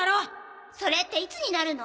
それっていつになるの？